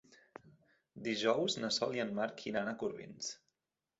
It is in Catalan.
Dijous na Sol i en Marc iran a Corbins.